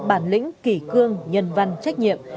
bản lĩnh kỳ cương nhân văn trách nhiệm